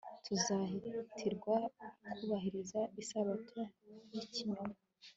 Tuzahatirwa kubahiriza Isabato yikinyoma